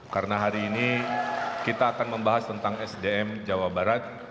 karena hari ini kita akan membahas tentang sdm jawa barat